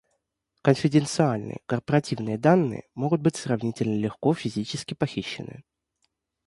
Конфиденциальные корпоративные данные могут быть сравнительно легко физически похищены